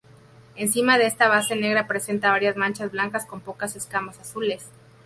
Encima de esta base negra presenta varias manchas blancas con pocas escamas azules.